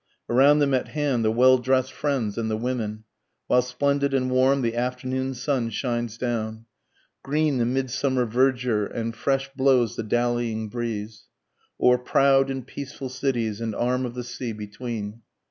Around them at hand the well drest friends and the women, While splendid and warm the afternoon sun shines down, Green the midsummer verdure and fresh blows the dallying breeze, O'er proud and peaceful cities and arm of the sea between.